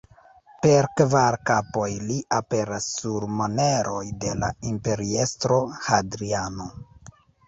Per kvar kapoj li aperas sur moneroj de la imperiestro Hadriano.